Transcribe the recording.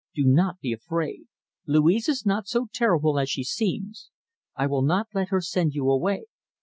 Do not be afraid. Louise is not so terrible as she seems. I will not let her send you away.